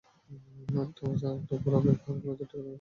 একটা বাচ্চা আর একটা ঘোড়া এই পাহাড়গুলোতে টিকতে পারবে না।